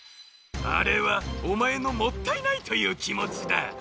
あれはおまえの「もったいない」というきもちだ。